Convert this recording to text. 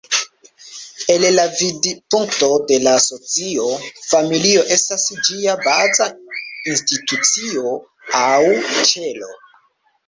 El la vidpunkto de la socio, familio estas ĝia baza institucio aŭ "ĉelo".